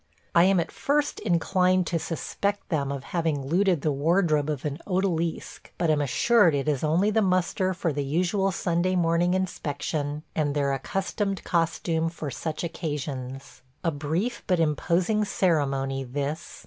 I am at first inclined to suspect them of having looted the wardrobe of an odalisque, but am assured it is only the muster for the usual Sunday morning inspection and their accustomed costume for such occasions. A brief but imposing ceremony, this.